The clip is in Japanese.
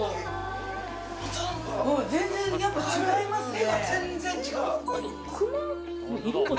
全然やっぱ違いますね。